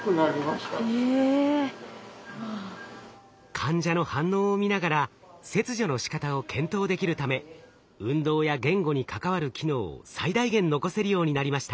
患者の反応を見ながら切除のしかたを検討できるため運動や言語に関わる機能を最大限残せるようになりました。